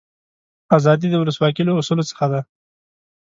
آزادي د ولسواکي له اصولو څخه ده.